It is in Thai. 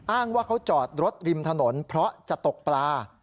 อ้างว่าเขาจอดรถริมถนนเพราะจะตกปลา